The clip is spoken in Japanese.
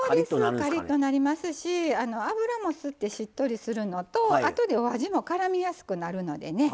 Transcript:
カリッとなりますし油も吸ってしっとりするのとあとでお味もからみやすくなるのでね